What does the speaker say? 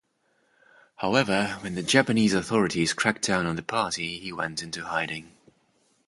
However, when the Japanese authorities cracked down on the party, he went into hiding.